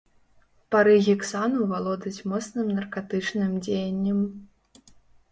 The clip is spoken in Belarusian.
Пары гексану валодаць моцным наркатычным дзеяннем.